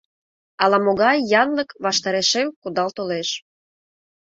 Ала-могай янлык ваштарешем кудал толеш.